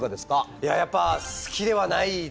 いややっぱ好きではないですね。